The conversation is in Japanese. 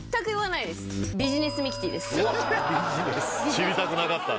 知りたくなかった。